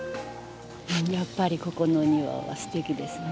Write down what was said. やっぱりここのお庭はすてきですね。